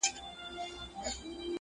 يو سړی وليدی.